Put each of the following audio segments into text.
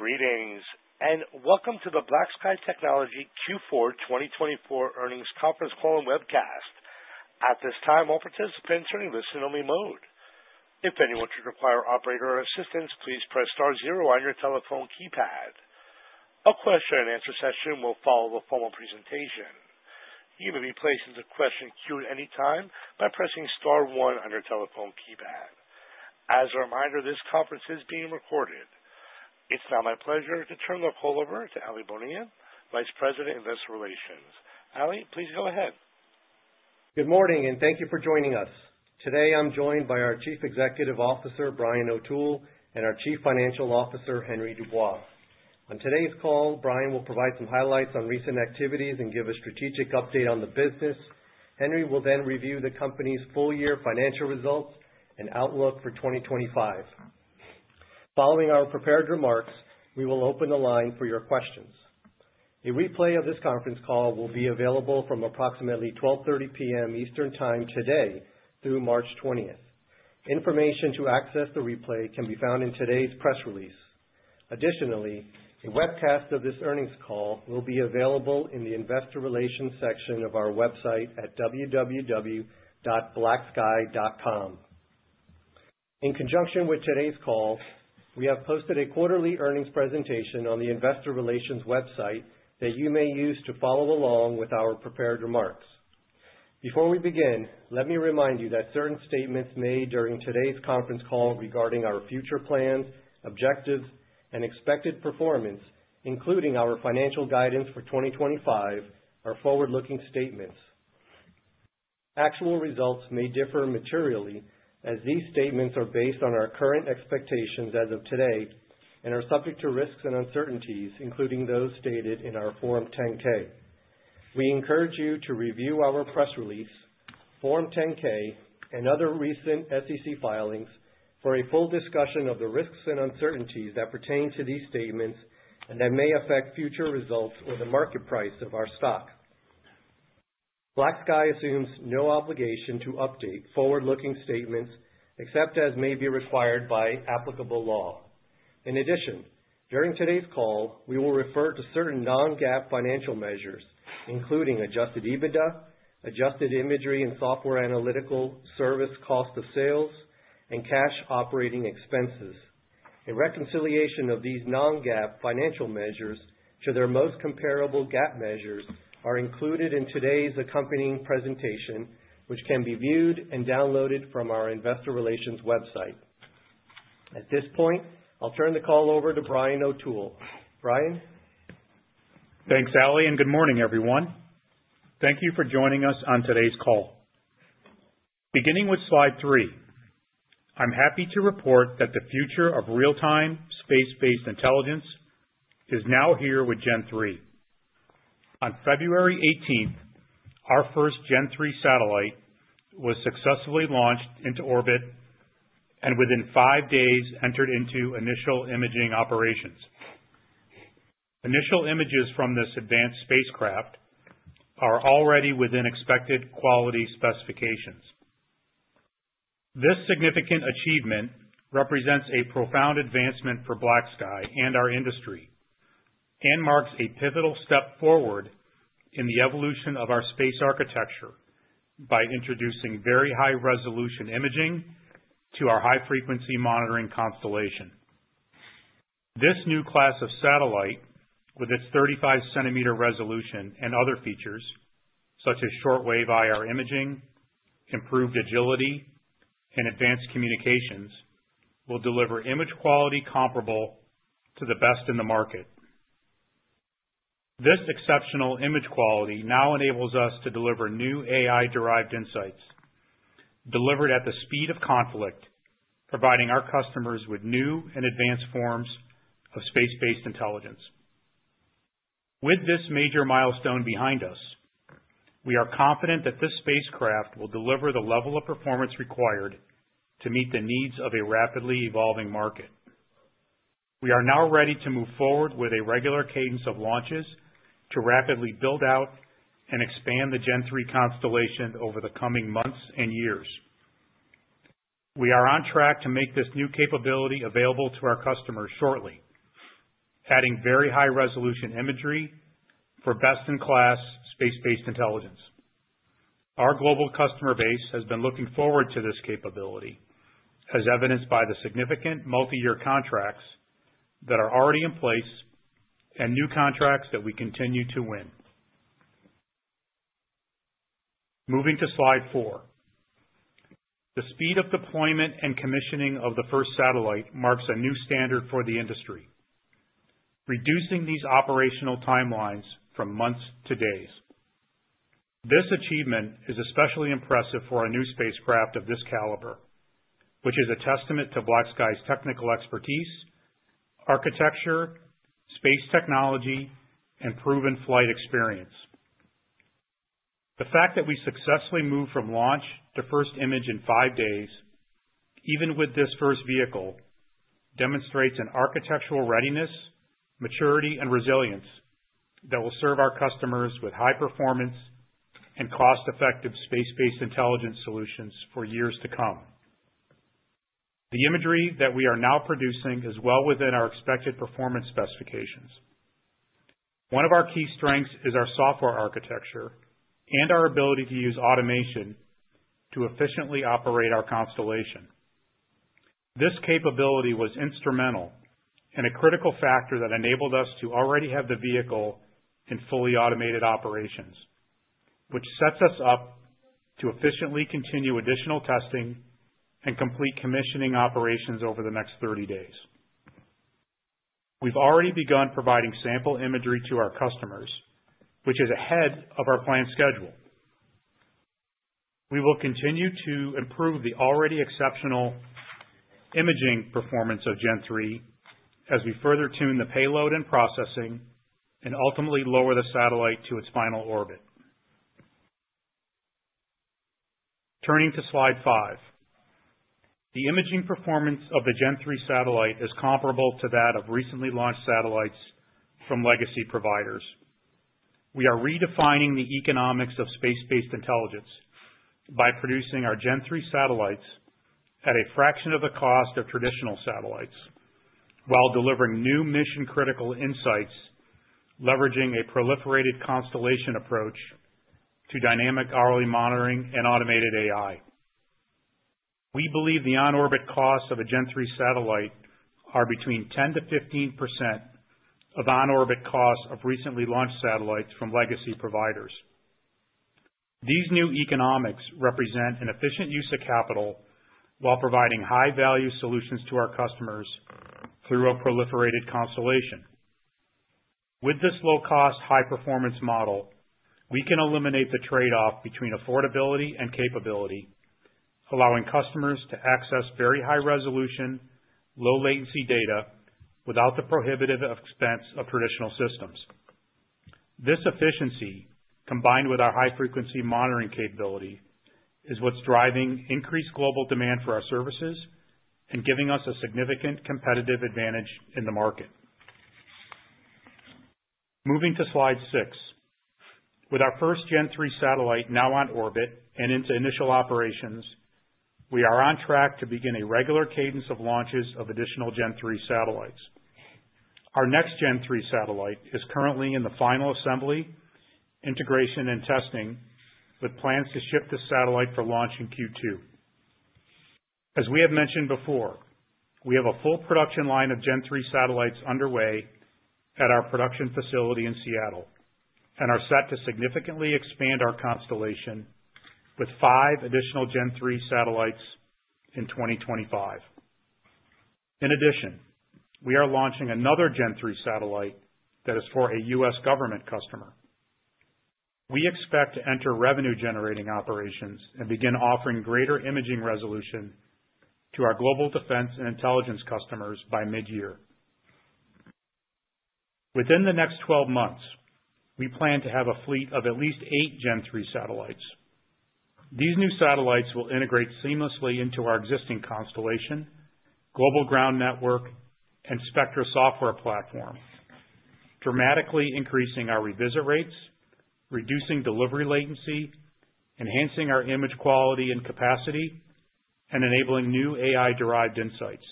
Greetings, and welcome to the BlackSky Technology Q4 2024 earnings conference call and webcast. At this time, all participants are in listen-only mode. If anyone should require operator assistance, please press star zero on your telephone keypad. A question-and-answer session will follow the formal presentation. You may be placed into question queue at any time by pressing star one on your telephone keypad. As a reminder, this conference is being recorded. It's now my pleasure to turn the call over to Aly Bonilla, Vice President, Investor Relations. Aly, please go ahead. Good morning, and thank you for joining us. Today, I'm joined by our Chief Executive Officer, Brian O'Toole, and our Chief Financial Officer, Henry Dubois. On today's call, Brian will provide some highlights on recent activities and give a strategic update on the business. Henry will then review the company's full-year financial results and outlook for 2025. Following our prepared remarks, we will open the line for your questions. A replay of this conference call will be available from approximately 12:30 P.M. Eastern Time today through March 20th. Information to access the replay can be found in today's press release. Additionally, a webcast of this earnings call will be available in the Investor Relations section of our website at www.blacksky.com. In conjunction with today's call, we have posted a quarterly earnings presentation on the Investor Relations website that you may use to follow along with our prepared remarks. Before we begin, let me remind you that certain statements made during today's conference call regarding our future plans, objectives, and expected performance, including our financial guidance for 2025, are forward-looking statements. Actual results may differ materially as these statements are based on our current expectations as of today and are subject to risks and uncertainties, including those stated in our Form 10-K. We encourage you to review our press release, Form 10-K, and other recent SEC filings for a full discussion of the risks and uncertainties that pertain to these statements and that may affect future results or the market price of our stock. BlackSky assumes no obligation to update forward-looking statements except as may be required by applicable law. In addition, during today's call, we will refer to certain non-GAAP financial measures, including adjusted EBITDA, adjusted imagery and software analytical service cost of sales, and cash operating expenses. A reconciliation of these non-GAAP financial measures to their most comparable GAAP measures is included in today's accompanying presentation, which can be viewed and downloaded from our Investor Relations website. At this point, I'll turn the call over to Brian O'Toole. Brian. Thanks, Aly, and good morning, everyone. Thank you for joining us on today's call. Beginning with slide three, I'm happy to report that the future of real-time space-based intelligence is now here with Gen 3. On February 18, our first Gen 3 satellite was successfully launched into orbit and within five days entered into initial imaging operations. Initial images from this advanced spacecraft are already within expected quality specifications. This significant achievement represents a profound advancement for BlackSky and our industry and marks a pivotal step forward in the evolution of our space architecture by introducing very high-resolution imaging to our high-frequency monitoring constellation. This new class of satellite, with its 35-centimeter resolution and other features such as short-wave IR imaging, improved agility, and advanced communications, will deliver image quality comparable to the best in the market. This exceptional image quality now enables us to deliver new AI-derived insights delivered at the speed of conflict, providing our customers with new and advanced forms of space-based intelligence. With this major milestone behind us, we are confident that this spacecraft will deliver the level of performance required to meet the needs of a rapidly evolving market. We are now ready to move forward with a regular cadence of launches to rapidly build out and expand the Gen-3 constellation over the coming months and years. We are on track to make this new capability available to our customers shortly, adding very high-resolution imagery for best-in-class space-based intelligence. Our global customer base has been looking forward to this capability, as evidenced by the significant multi-year contracts that are already in place and new contracts that we continue to win. Moving to slide four, the speed of deployment and commissioning of the first satellite marks a new standard for the industry, reducing these operational timelines from months to days. This achievement is especially impressive for a new spacecraft of this caliber, which is a testament to BlackSky's technical expertise, architecture, space technology, and proven flight experience. The fact that we successfully moved from launch to first image in five days, even with this first vehicle, demonstrates an architectural readiness, maturity, and resilience that will serve our customers with high-performance and cost-effective space-based intelligence solutions for years to come. The imagery that we are now producing is well within our expected performance specifications. One of our key strengths is our software architecture and our ability to use automation to efficiently operate our constellation. This capability was instrumental and a critical factor that enabled us to already have the vehicle in fully automated operations, which sets us up to efficiently continue additional testing and complete commissioning operations over the next 30 days. We've already begun providing sample imagery to our customers, which is ahead of our planned schedule. We will continue to improve the already exceptional imaging performance of Gen-3 as we further tune the payload and processing and ultimately lower the satellite to its final orbit. Turning to slide five, the imaging performance of the Gen-3 satellite is comparable to that of recently launched satellites from legacy providers. We are redefining the economics of space-based intelligence by producing our Gen-3 satellites at a fraction of the cost of traditional satellites while delivering new mission-critical insights, leveraging a proliferated constellation approach to dynamic hourly monitoring and automated AI. We believe the on-orbit costs of a Gen-3 satellite are between 10%-15% of on-orbit costs of recently launched satellites from legacy providers. These new economics represent an efficient use of capital while providing high-value solutions to our customers through a proliferated constellation. With this low-cost, high-performance model, we can eliminate the trade-off between affordability and capability, allowing customers to access very high-resolution, low-latency data without the prohibitive expense of traditional systems. This efficiency, combined with our high-frequency monitoring capability, is what's driving increased global demand for our services and giving us a significant competitive advantage in the market. Moving to slide six, with our first Gen-3 satellite now on orbit and into initial operations, we are on track to begin a regular cadence of launches of additional Gen-3 satellites. Our next Gen-3 satellite is currently in the final assembly, integration, and testing, with plans to ship the satellite for launch in Q2. As we have mentioned before, we have a full production line of Gen-3 satellites underway at our production facility in Seattle and are set to significantly expand our constellation with five additional Gen-3 satellites in 2025. In addition, we are launching another Gen-3 satellite that is for a U.S. government customer. We expect to enter revenue-generating operations and begin offering greater imaging resolution to our global defense and intelligence customers by mid-year. Within the next 12 months, we plan to have a fleet of at least eight Gen-3 satellites. These new satellites will integrate seamlessly into our existing constellation, global ground network, and Spectra software platform, dramatically increasing our revisit rates, reducing delivery latency, enhancing our image quality and capacity, and enabling new AI-derived insights.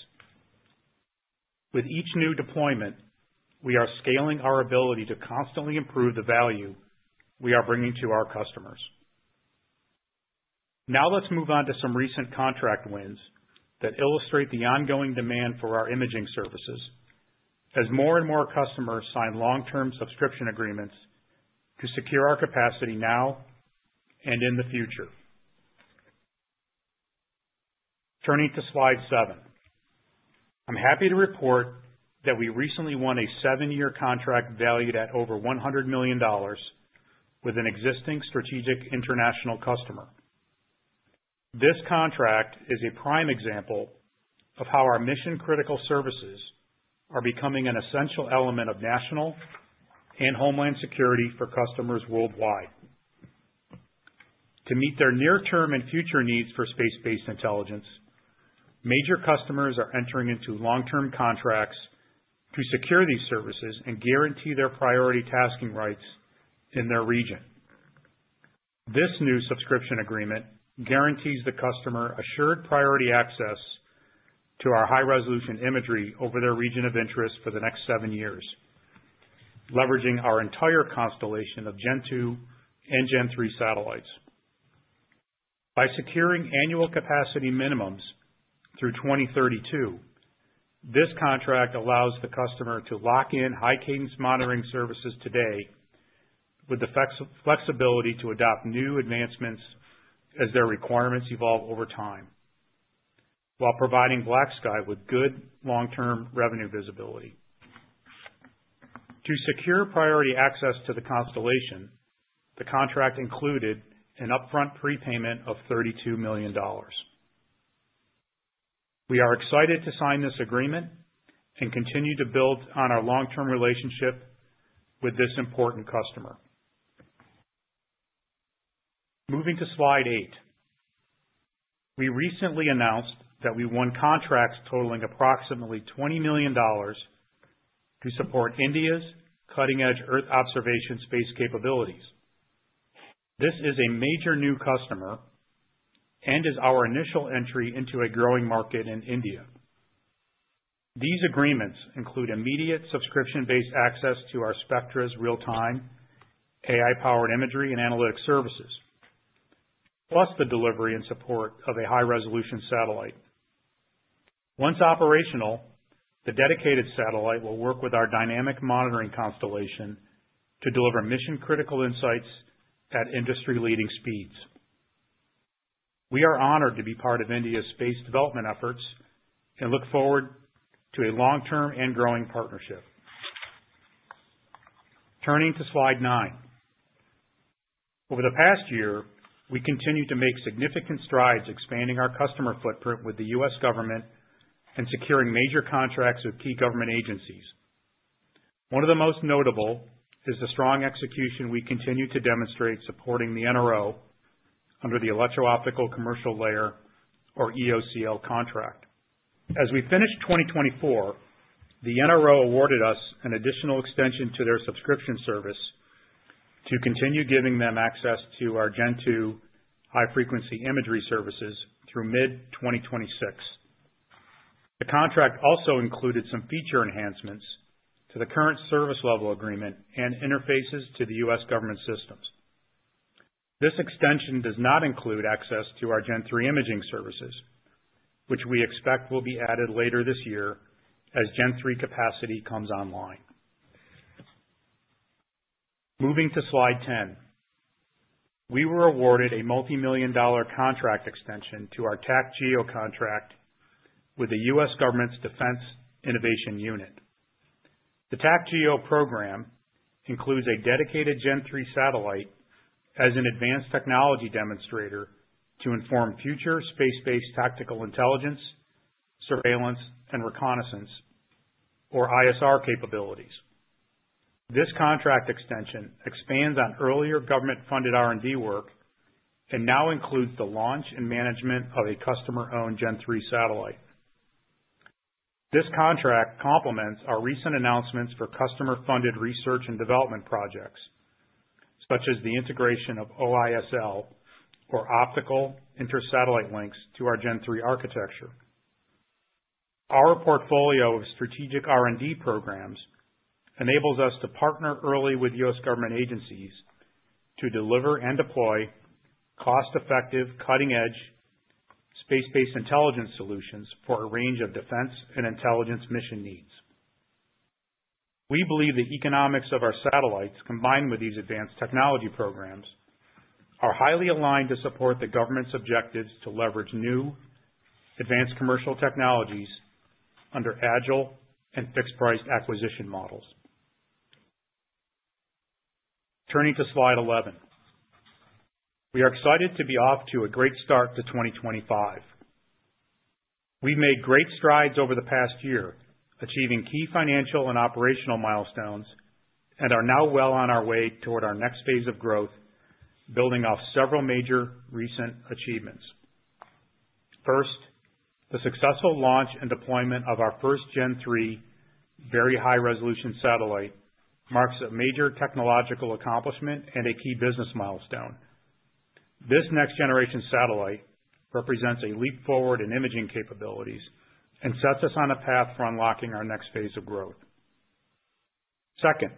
With each new deployment, we are scaling our ability to constantly improve the value we are bringing to our customers. Now let's move on to some recent contract wins that illustrate the ongoing demand for our imaging services as more and more customers sign long-term subscription agreements to secure our capacity now and in the future. Turning to slide seven, I'm happy to report that we recently won a seven-year contract valued at over $100 million with an existing strategic international customer. This contract is a prime example of how our mission-critical services are becoming an essential element of national and homeland security for customers worldwide. To meet their near-term and future needs for space-based intelligence, major customers are entering into long-term contracts to secure these services and guarantee their priority tasking rights in their region. This new subscription agreement guarantees the customer assured priority access to our high-resolution imagery over their region of interest for the next seven years, leveraging our entire constellation of Gen 2 and Gen 3 satellites. By securing annual capacity minimums through 2032, this contract allows the customer to lock in high-cadence monitoring services today with the flexibility to adopt new advancements as their requirements evolve over time while providing BlackSky with good long-term revenue visibility. To secure priority access to the constellation, the contract included an upfront prepayment of $32 million. We are excited to sign this agreement and continue to build on our long-term relationship with this important customer. Moving to slide eight, we recently announced that we won contracts totaling approximately $20 million to support India's cutting-edge Earth observation space capabilities. This is a major new customer and is our initial entry into a growing market in India. These agreements include immediate subscription-based access to our Spectra real-time AI-powered imagery and analytic services, plus the delivery and support of a high-resolution satellite. Once operational, the dedicated satellite will work with our dynamic monitoring constellation to deliver mission-critical insights at industry-leading speeds. We are honored to be part of India's space development efforts and look forward to a long-term and growing partnership. Turning to slide nine, over the past year, we continue to make significant strides expanding our customer footprint with the U.S. government and securing major contracts with key government agencies. One of the most notable is the strong execution we continue to demonstrate supporting the NRO under the electro-optical commercial layer, or EOCL, contract. As we finished 2024, the NRO awarded us an additional extension to their subscription service to continue giving them access to our Gen 2 high-frequency imagery services through mid-2026. The contract also included some feature enhancements to the current service level agreement and interfaces to the U.S. government systems. This extension does not include access to our Gen 3 imaging services, which we expect will be added later this year as Gen 3 capacity comes online. Moving to slide ten, we were awarded a multi-million dollar contract extension to our TACGEO contract with the U.S. government's Defense Innovation Unit. The TACGEO program includes a dedicated Gen 3 satellite as an advanced technology demonstrator to inform future space-based tactical intelligence, surveillance, and reconnaissance, or ISR capabilities. This contract extension expands on earlier government-funded R&D work and now includes the launch and management of a customer-owned Gen-3 satellite. This contract complements our recent announcements for customer-funded research and development projects, such as the integration of OISL, or optical inter-satellite links, to our Gen-3 architecture. Our portfolio of strategic R&D programs enables us to partner early with U.S. government agencies to deliver and deploy cost-effective, cutting-edge space-based intelligence solutions for a range of defense and intelligence mission needs. We believe the economics of our satellites, combined with these advanced technology programs, are highly aligned to support the government's objectives to leverage new advanced commercial technologies under agile and fixed-priced acquisition models. Turning to slide eleven, we are excited to be off to a great start to 2025. We've made great strides over the past year, achieving key financial and operational milestones, and are now well on our way toward our next phase of growth, building off several major recent achievements. First, the successful launch and deployment of our first Gen-3 very high-resolution satellite marks a major technological accomplishment and a key business milestone. This next-generation satellite represents a leap forward in imaging capabilities and sets us on a path for unlocking our next phase of growth. Second,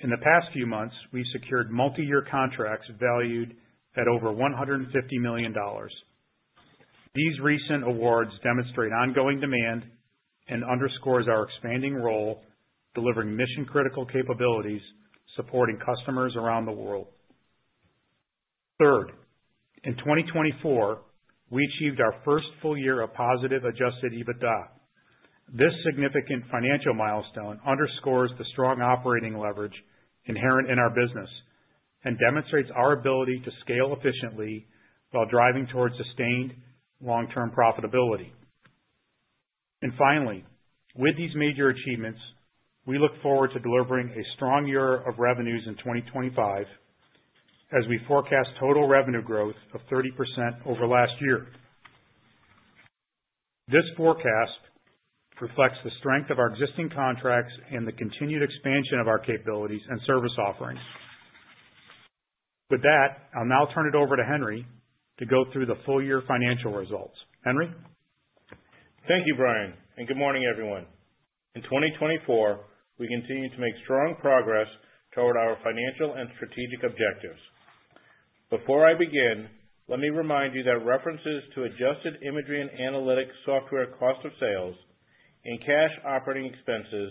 in the past few months, we secured multi-year contracts valued at over $150 million. These recent awards demonstrate ongoing demand and underscore our expanding role delivering mission-critical capabilities supporting customers around the world. Third, in 2024, we achieved our first full year of positive adjusted EBITDA. This significant financial milestone underscores the strong operating leverage inherent in our business and demonstrates our ability to scale efficiently while driving towards sustained long-term profitability. Finally, with these major achievements, we look forward to delivering a strong year of revenues in 2025 as we forecast total revenue growth of 30% over last year. This forecast reflects the strength of our existing contracts and the continued expansion of our capabilities and service offerings. With that, I'll now turn it over to Henry to go through the full year financial results. Henry? Thank you, Brian, and good morning, everyone. In 2024, we continue to make strong progress toward our financial and strategic objectives. Before I begin, let me remind you that references to adjusted imagery and analytic software cost of sales and cash operating expenses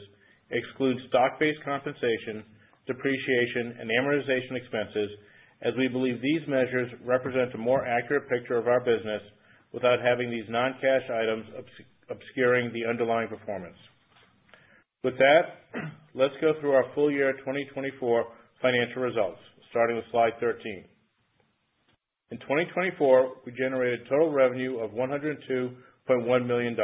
exclude stock-based compensation, depreciation, and amortization expenses, as we believe these measures represent a more accurate picture of our business without having these non-cash items obscuring the underlying performance. With that, let's go through our full year 2024 financial results, starting with slide 13. In 2024, we generated total revenue of $102.1 million.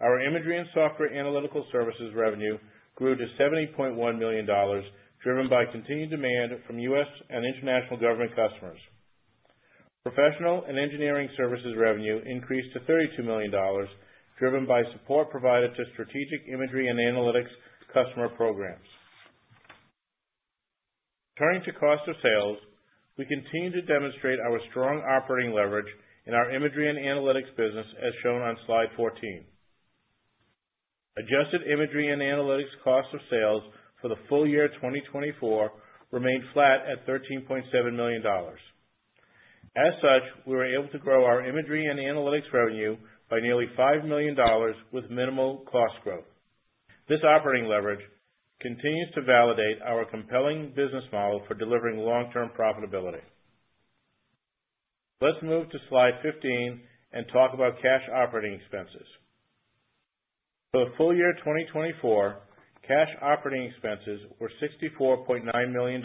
Our imagery and software analytical services revenue grew to $70.1 million, driven by continued demand from U.S. and international government customers. Professional and engineering services revenue increased to $32 million, driven by support provided to strategic imagery and analytics customer programs. Turning to cost of sales, we continue to demonstrate our strong operating leverage in our imagery and analytics business, as shown on slide 14. Adjusted imagery and analytics cost of sales for the full year 2024 remained flat at $13.7 million. As such, we were able to grow our imagery and analytics revenue by nearly $5 million with minimal cost growth. This operating leverage continues to validate our compelling business model for delivering long-term profitability. Let's move to slide 15 and talk about cash operating expenses. For the full year 2024, cash operating expenses were $64.9 million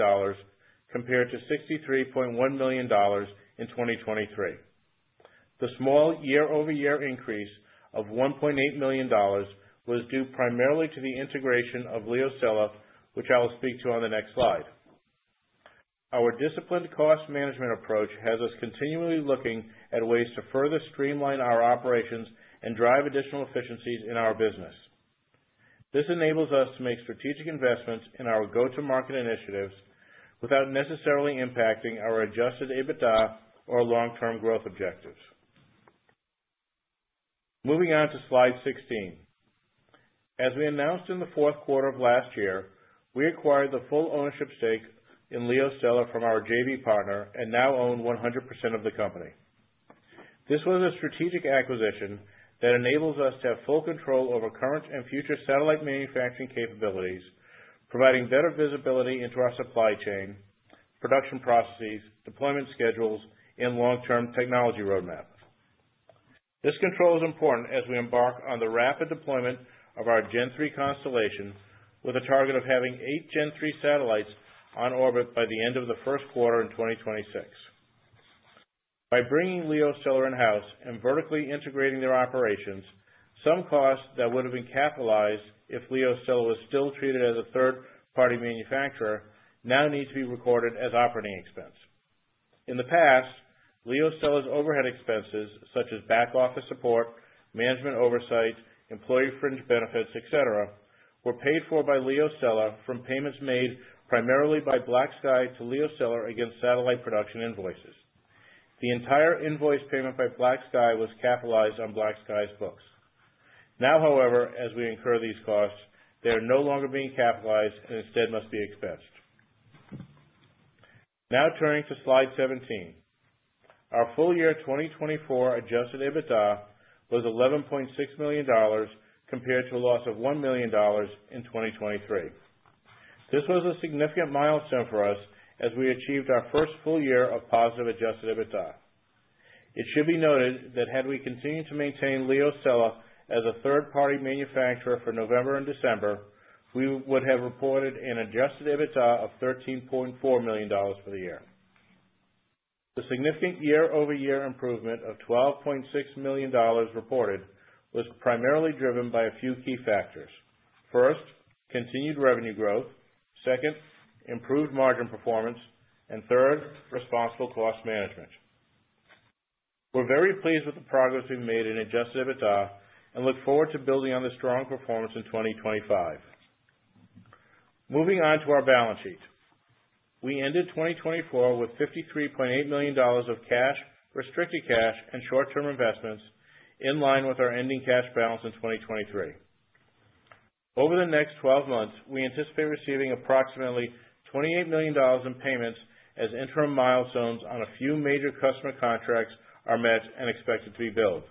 compared to $63.1 million in 2023. The small year-over-year increase of $1.8 million was due primarily to the integration of LeoStella, which I will speak to on the next slide. Our disciplined cost management approach has us continually looking at ways to further streamline our operations and drive additional efficiencies in our business. This enables us to make strategic investments in our go-to-market initiatives without necessarily impacting our adjusted EBITDA or long-term growth objectives. Moving on to slide 16. As we announced in the fourth quarter of last year, we acquired the full ownership stake in LeoStella from our JV partner and now own 100% of the company. This was a strategic acquisition that enables us to have full control over current and future satellite manufacturing capabilities, providing better visibility into our supply chain, production processes, deployment schedules, and long-term technology roadmap. This control is important as we embark on the rapid deployment of our Gen-3 constellation, with a target of having eight Gen-3 satellites on orbit by the end of the first quarter in 2026. By bringing LeoStella in-house and vertically integrating their operations, some costs that would have been capitalized if LeoStella was still treated as a third-party manufacturer now need to be recorded as operating expense. In the past, LeoStella's overhead expenses, such as back-office support, management oversight, employee fringe benefits, etc., were paid for by LeoStella from payments made primarily by BlackSky to LeoStella against satellite production invoices. The entire invoice payment by BlackSky was capitalized on BlackSky's books. Now, however, as we incur these costs, they are no longer being capitalized and instead must be expensed. Now turning to slide 17, our full year 2024 adjusted EBITDA was $11.6 million compared to a loss of $1 million in 2023. This was a significant milestone for us as we achieved our first full year of positive adjusted EBITDA. It should be noted that had we continued to maintain LeoStella as a third-party manufacturer for November and December, we would have reported an adjusted EBITDA of $13.4 million for the year. The significant year-over-year improvement of $12.6 million reported was primarily driven by a few key factors. First, continued revenue growth. Second, improved margin performance. Third, responsible cost management. We're very pleased with the progress we've made in adjusted EBITDA and look forward to building on the strong performance in 2025. Moving on to our balance sheet, we ended 2024 with $53.8 million of cash, restricted cash, and short-term investments in line with our ending cash balance in 2023. Over the next 12 months, we anticipate receiving approximately $28 million in payments as interim milestones on a few major customer contracts are met and expected to be billed.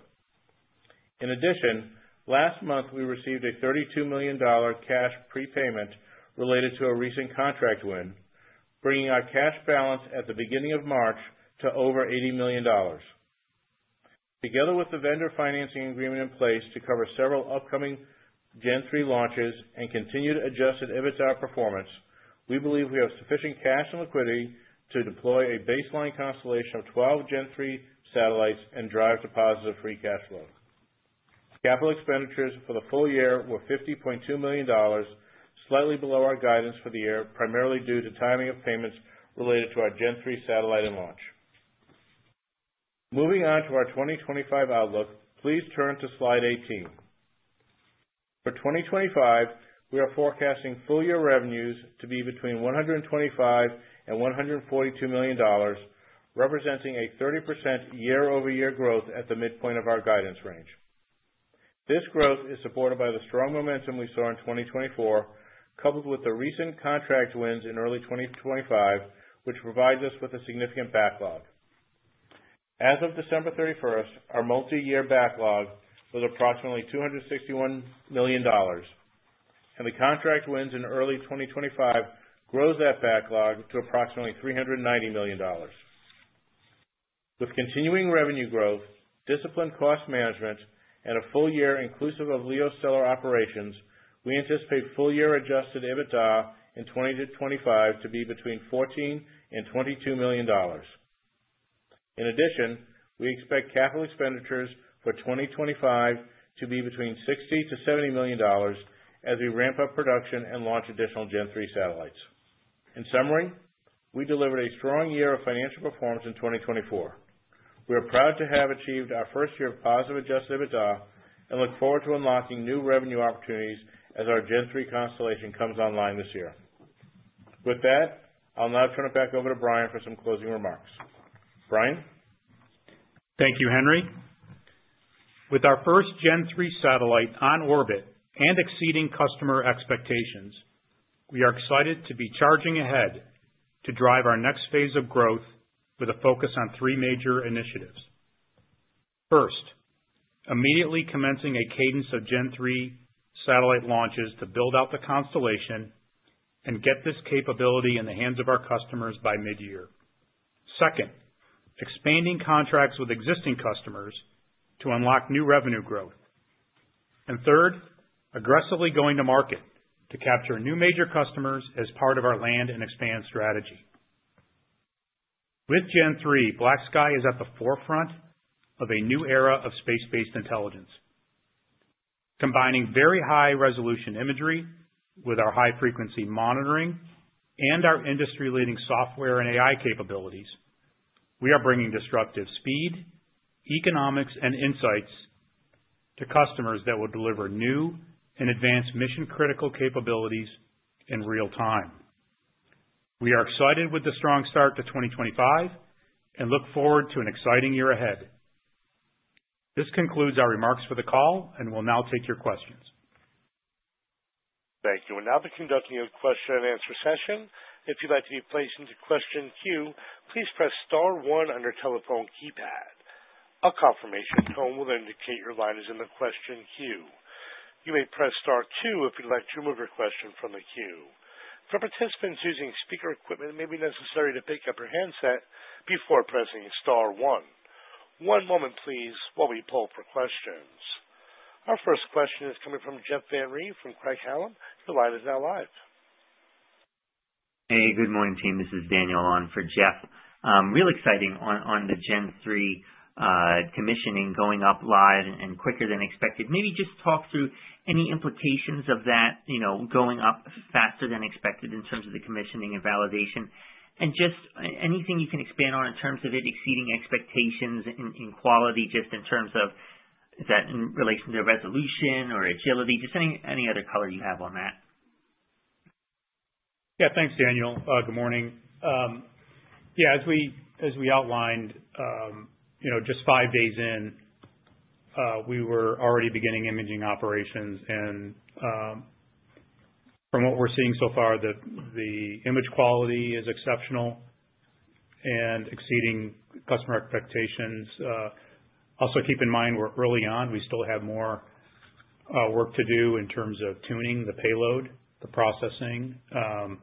In addition, last month, we received a $32 million cash prepayment related to a recent contract win, bringing our cash balance at the beginning of March to over $80 million. Together with the vendor financing agreement in place to cover several upcoming Gen-3 launches and continued adjusted EBITDA performance, we believe we have sufficient cash and liquidity to deploy a baseline constellation of 12 Gen-3 satellites and drive to positive free cash flow. Capital expenditures for the full year were $50.2 million, slightly below our guidance for the year, primarily due to timing of payments related to our Gen-3 satellite and launch. Moving on to our 2025 outlook, please turn to slide 18. For 2025, we are forecasting full year revenues to be between $125 million and $142 million, representing a 30% year-over-year growth at the midpoint of our guidance range. This growth is supported by the strong momentum we saw in 2024, coupled with the recent contract wins in early 2025, which provides us with a significant backlog. As of December 31st, our multi-year backlog was approximately $261 million, and the contract wins in early 2025 grows that backlog to approximately $390 million. With continuing revenue growth, disciplined cost management, and a full year inclusive of LeoStella operations, we anticipate full year adjusted EBITDA in 2025 to be between $14-$22 million. In addition, we expect capital expenditures for 2025 to be between $60-$70 million as we ramp up production and launch additional Gen-3 satellites. In summary, we delivered a strong year of financial performance in 2024. We are proud to have achieved our first year of positive adjusted EBITDA and look forward to unlocking new revenue opportunities as our Gen-3 constellation comes online this year. With that, I'll now turn it back over to Brian for some closing remarks. Brian? Thank you, Henry. With our first Gen-3 satellite on orbit and exceeding customer expectations, we are excited to be charging ahead to drive our next phase of growth with a focus on three major initiatives. First, immediately commencing a cadence of Gen-3 satellite launches to build out the constellation and get this capability in the hands of our customers by mid-year. Second, expanding contracts with existing customers to unlock new revenue growth. Third, aggressively going to market to capture new major customers as part of our land and expand strategy. With Gen-3, BlackSky is at the forefront of a new era of space-based intelligence. Combining very high-resolution imagery with our high-frequency monitoring and our industry-leading software and AI capabilities, we are bringing disruptive speed, economics, and insights to customers that will deliver new and advanced mission-critical capabilities in real time. We are excited with the strong start to 2025 and look forward to an exciting year ahead. This concludes our remarks for the call, and we'll now take your questions. Thank you. We're now conducting a question-and-answer session. If you'd like to be placed into question queue, please press star one on your telephone keypad. A confirmation tone will indicate your line is in the question queue. You may press star two if you'd like to remove your question from the queue. For participants using speaker equipment, it may be necessary to pick up your handset before pressing star one. One moment, please, while we pull up our questions. Our first question is coming from Jeff Van Re from Craig Hallum. Your line is now live. Hey, good morning, team. This is Daniel on for Jeff. Real exciting on the Gen-3 commissioning, going up live and quicker than expected. Maybe just talk through any implications of that going up faster than expected in terms of the commissioning and validation. Just anything you can expand on in terms of it exceeding expectations in quality, just in terms of that in relation to resolution or agility, just any other color you have on that. Yeah, thanks, Daniel. Good morning. Yeah, as we outlined, just five days in, we were already beginning imaging operations. From what we're seeing so far, the image quality is exceptional and exceeding customer expectations. Also, keep in mind, we're early on. We still have more work to do in terms of tuning the payload, the processing of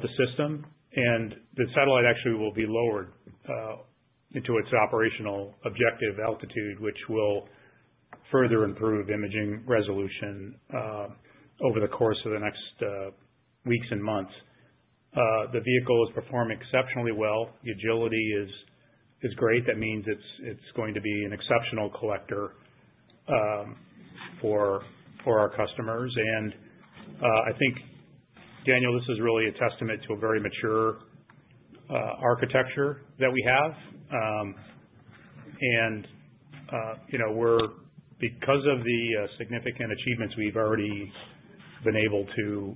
the system. The satellite actually will be lowered into its operational objective altitude, which will further improve imaging resolution over the course of the next weeks and months. The vehicle has performed exceptionally well. The agility is great. That means it's going to be an exceptional collector for our customers. I think, Daniel, this is really a testament to a very mature architecture that we have. Because of the significant achievements we've already been able to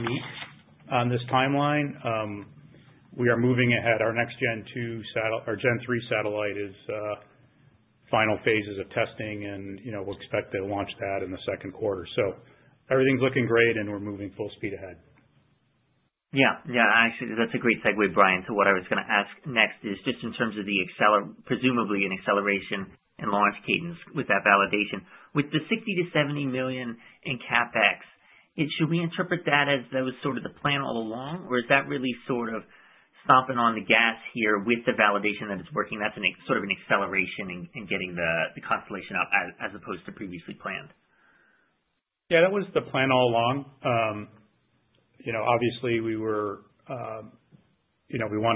meet on this timeline, we are moving ahead. Our next Gen-3 satellite is in final phases of testing, and we expect to launch that in the second quarter. Everything's looking great, and we're moving full speed ahead. Yeah. Yeah. Actually, that's a great segue, Brian, to what I was going to ask next is just in terms of the presumably an acceleration in launch cadence with that validation. With the $60-$70 million in CapEx, should we interpret that as that was sort of the plan all along, or is that really sort of stomping on the gas here with the validation that it's working? That's sort of an acceleration in getting the constellation up as opposed to previously planned. Yeah, that was the plan all along. Obviously, we wanted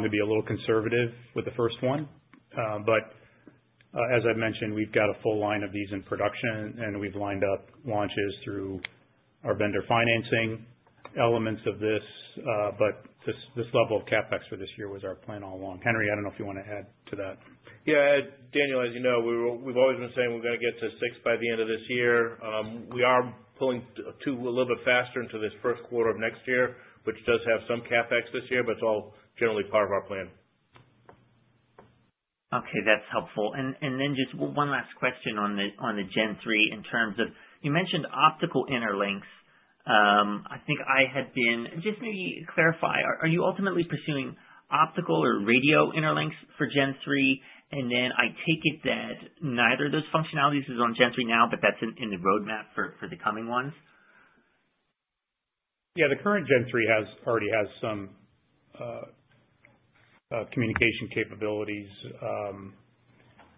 to be a little conservative with the first one. As I've mentioned, we've got a full line of these in production, and we've lined up launches through our vendor financing elements of this. This level of CapEx for this year was our plan all along. Henry, I don't know if you want to add to that. Yeah. Daniel, as you know, we've always been saying we're going to get to six by the end of this year. We are pulling a little bit faster into this first quarter of next year, which does have some CapEx this year, but it's all generally part of our plan. Okay. That's helpful. Just one last question on the Gen 3 in terms of you mentioned optical interlinks. I think I had been just maybe clarify, are you ultimately pursuing optical or radio interlinks for Gen 3? I take it that neither of those functionalities is on Gen 3 now, but that's in the roadmap for the coming ones? Yeah. The current Gen 3 already has some communication capabilities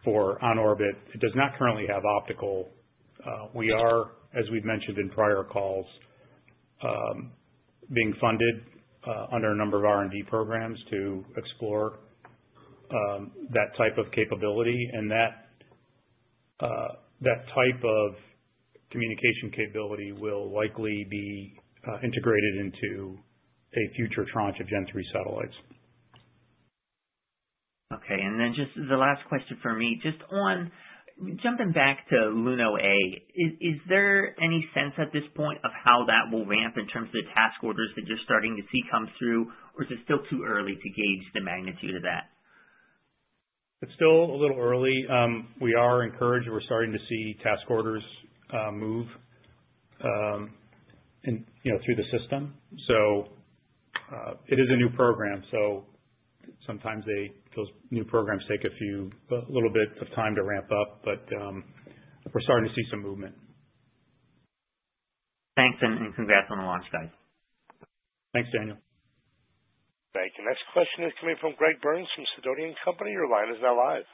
on orbit. It does not currently have optical. We are, as we've mentioned in prior calls, being funded under a number of R&D programs to explore that type of capability. That type of communication capability will likely be integrated into a future tranche of Gen 3 satellites. Okay. And then just the last question for me. Just jumping back to LunoA, is there any sense at this point of how that will ramp in terms of the task orders that you're starting to see come through, or is it still too early to gauge the magnitude of that? It's still a little early. We are encouraged. We're starting to see task orders move through the system. It is a new program. Sometimes those new programs take a little bit of time to ramp up, but we're starting to see some movement. Thanks. And congrats on the launch, guys. Thanks, Daniel. Thank you. Next question is coming from Greg Burns from Sedonian Company. Your line is now live.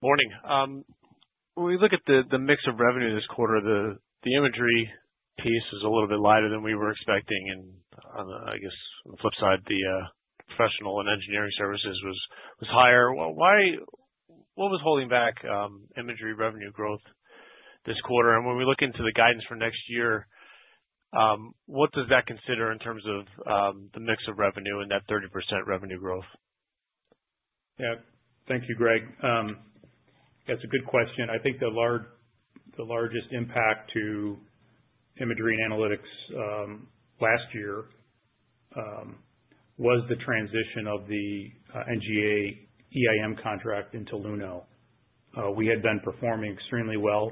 Morning. When we look at the mix of revenue this quarter, the imagery piece is a little bit lighter than we were expecting. I guess on the flip side, the professional and engineering services was higher. What was holding back imagery revenue growth this quarter? When we look into the guidance for next year, what does that consider in terms of the mix of revenue and that 30% revenue growth? Yeah. Thank you, Greg. That's a good question. I think the largest impact to imagery and analytics last year was the transition of the NGA EIM contract into Luno. We had been performing extremely well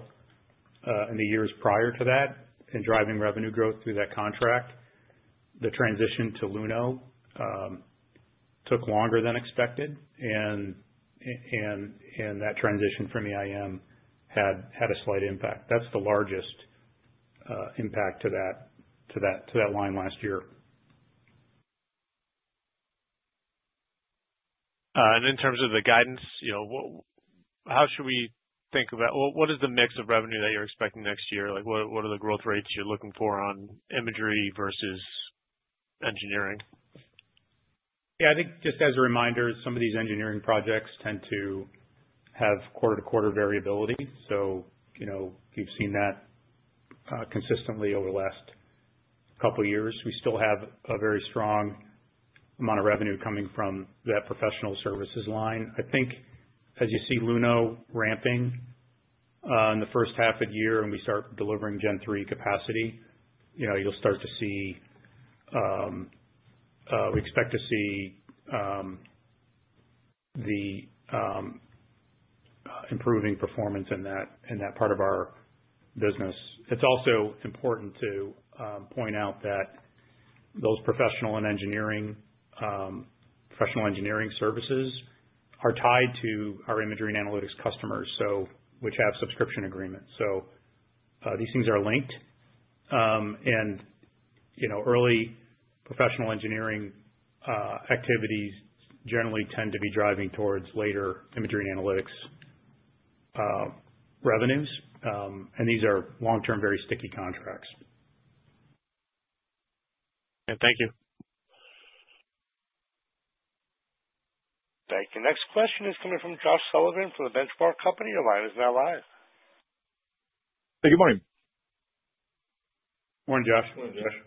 in the years prior to that and driving revenue growth through that contract. The transition to Luno took longer than expected, and that transition from EIM had a slight impact. That's the largest impact to that line last year. In terms of the guidance, how should we think about what is the mix of revenue that you're expecting next year? What are the growth rates you're looking for on imagery versus engineering? Yeah. I think just as a reminder, some of these engineering projects tend to have quarter-to-quarter variability. We have seen that consistently over the last couple of years. We still have a very strong amount of revenue coming from that professional services line. I think as you see Luno ramping in the first half of the year and we start delivering Gen-3 capacity, you'll start to see we expect to see the improving performance in that part of our business. It's also important to point out that those professional and engineering services are tied to our imagery and analytics customers, which have subscription agreements. These things are linked. Early professional engineering activities generally tend to be driving towards later imagery and analytics revenues. These are long-term, very sticky contracts. Yeah. Thank you. Thank you. Next question is coming from Josh Sullivan from the Benchmark Company. Your line is now live. Hey, good morning. Morning, Josh. Morning, Josh.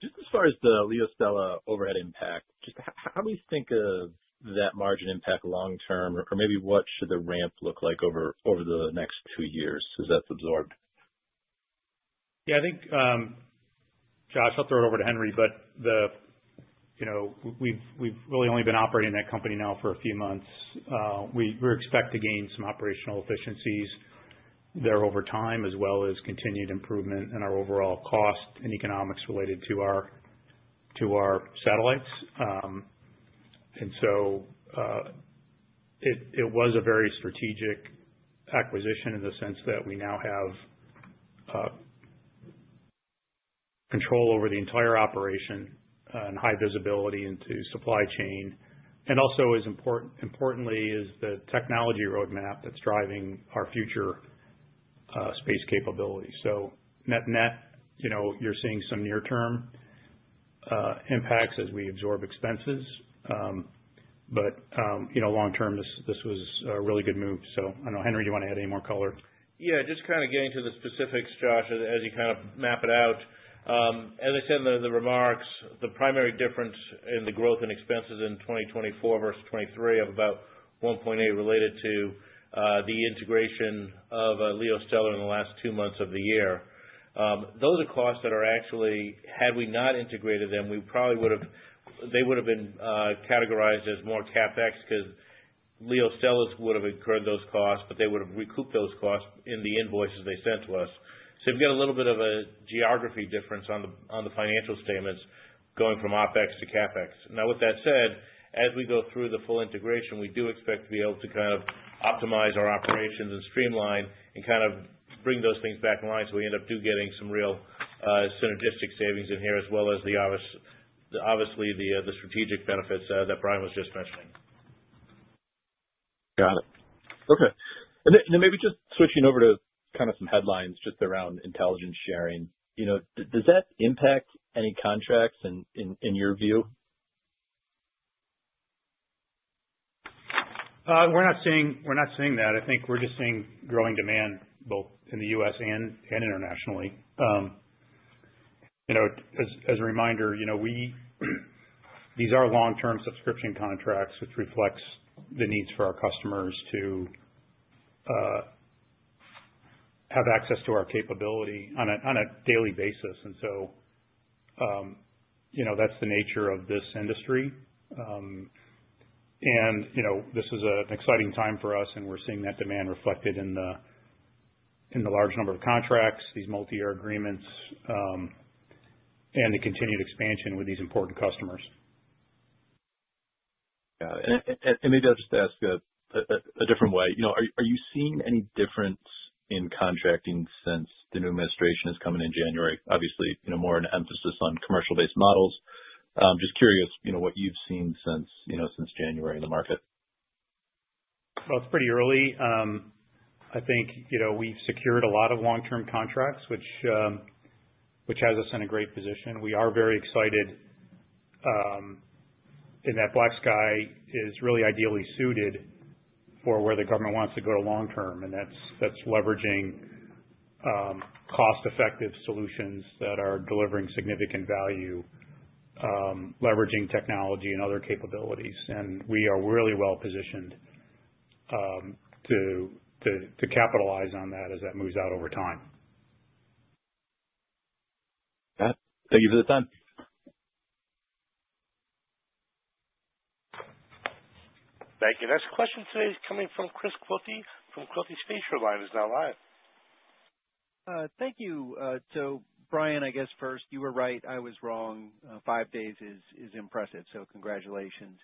Just as far as the LeoStella overhead impact, just how do we think of that margin impact long-term, or maybe what should the ramp look like over the next two years as that's absorbed? Yeah. I think, Josh, I'll throw it over to Henry, but we've really only been operating that company now for a few months. We expect to gain some operational efficiencies there over time, as well as continued improvement in our overall cost and economics related to our satellites. It was a very strategic acquisition in the sense that we now have control over the entire operation and high visibility into supply chain. Also, importantly, is the technology roadmap that's driving our future space capability. Net-net, you're seeing some near-term impacts as we absorb expenses. Long-term, this was a really good move. I don't know, Henry, do you want to add any more color? Yeah. Just kind of getting to the specifics, Josh, as you kind of map it out. As I said in the remarks, the primary difference in the growth in expenses in 2024 versus 2023 of about $1.8 million related to the integration of LeoStella in the last two months of the year. Those are costs that are actually, had we not integrated them, they would have been categorized as more CapEx because LeoStella would have incurred those costs, but they would have recouped those costs in the invoices they sent to us. We've got a little bit of a geography difference on the financial statements going from OpEx to CapEx. Now, with that said, as we go through the full integration, we do expect to be able to kind of optimize our operations and streamline and kind of bring those things back in line so we end up getting some real synergistic savings in here, as well as, obviously, the strategic benefits that Brian was just mentioning. Got it. Okay. Maybe just switching over to kind of some headlines just around intelligence sharing. Does that impact any contracts in your view? We're not seeing that. I think we're just seeing growing demand both in the U.S. and internationally. As a reminder, these are long-term subscription contracts, which reflects the needs for our customers to have access to our capability on a daily basis. That is the nature of this industry. This is an exciting time for us, and we're seeing that demand reflected in the large number of contracts, these multi-year agreements, and the continued expansion with these important customers. Got it. Maybe I'll just ask a different way. Are you seeing any difference in contracting since the new administration is coming in January? Obviously, more an emphasis on commercial-based models. Just curious what you've seen since January in the market. It is pretty early. I think we've secured a lot of long-term contracts, which has us in a great position. We are very excited in that BlackSky is really ideally suited for where the government wants to go to long-term, and that's leveraging cost-effective solutions that are delivering significant value, leveraging technology and other capabilities. We are really well positioned to capitalize on that as that moves out over time. Thank you for the time. Thank you. Next question today is coming from Chris Quilty from Quilty Space Airline. He's now live. Thank you. Brian, I guess first, you were right. I was wrong. Five days is impressive. Congratulations.